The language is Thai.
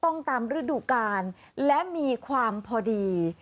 ต้องตามฤดูกาลและมีความพอดี